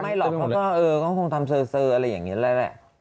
ไม่หรอกเขาก็คงทำเสออะไรอย่างนี้แหละแหละ